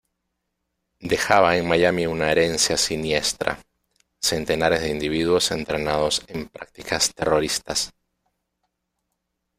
Dejaba en Miami una herencia siniestra: centenares de individuos entrenados en prácticas terroristas.